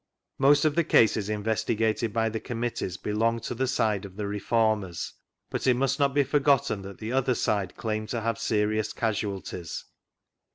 Most of the cases investigated by the Committees belonged to the side of the Reformers; but it must not be forgotten that the other side claimed to have serious casualties.